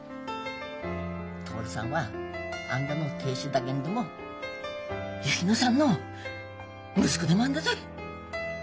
徹さんはあんたの亭主だけんども薫乃さんの息子でもあんだぞい。